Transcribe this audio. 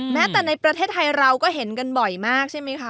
แม้แต่ในประเทศไทยเราก็เห็นกันบ่อยมากใช่ไหมคะ